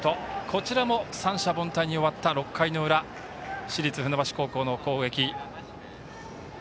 こちらも三者凡退に終わった６回の裏、市立船橋高校の攻撃。